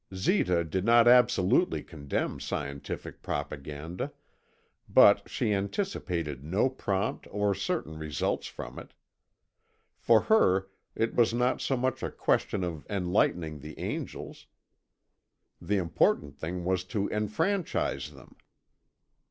Zita did not absolutely condemn scientific propaganda, but she anticipated no prompt or certain results from it. For her it was not so much a question of enlightening the angels; the important thing was to enfranchise them.